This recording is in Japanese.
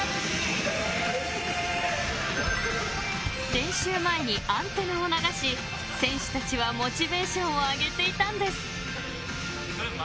練習前に「ＡＮＴＥＮＮＡ」を流し選手たちはモチベーションを上げていたんです。